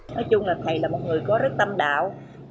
nói chung là thầy là một người có rất tâm đạo